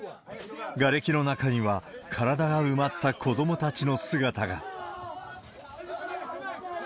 がれきの中には、体が埋まった子どもたちの姿が。